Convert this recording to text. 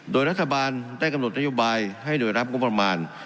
โดยรัฐบาลได้กำหนดนโยบายให้หน่วยรับงบประมาณ